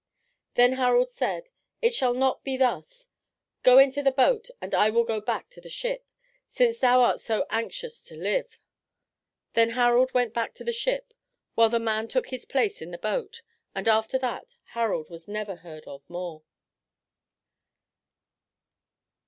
Then Harald said, "It shall not be thus. Go into the boat, and I will go back into the ship, since thou art so anxious to live." Then Harald went back to the ship, while the man took his place in the boat, and after that Harald was never heard of more.